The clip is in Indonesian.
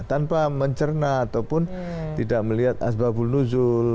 tanpa mencerna ataupun tidak melihat asbabul nuzul